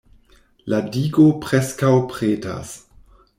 La digo preskaŭ pretas.